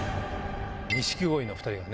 錦鯉の２人がね。